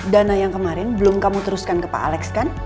dana yang kemarin belum kamu teruskan ke pak alex kan